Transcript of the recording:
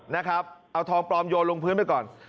โยนลงพื้นไปก่อน